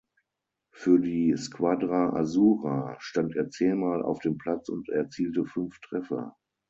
Für die "Squadra Azzurra" stand er zehnmal auf dem Platz und erzielte fünf Treffer.